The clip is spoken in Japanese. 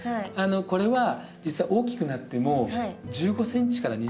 これは実は大きくなっても１５ｃｍから２０ｃｍぐらい。